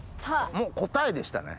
もう答えでしたね。